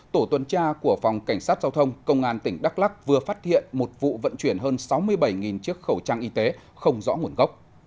tổ tuần tra của phòng cảnh sát giao thông công an tỉnh đắk lắc vừa phát hiện một vụ vận chuyển hơn sáu mươi bảy chiếc khẩu trang y tế không rõ nguồn gốc